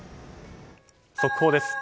速報です。